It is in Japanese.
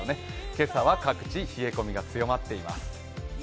今朝は各地、冷え込みが強まっています。